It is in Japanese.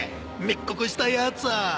密告したやつはぁ